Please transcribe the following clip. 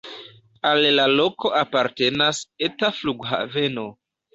Al la loko apartenas eta flughaveno.